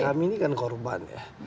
kami ini kan korban ya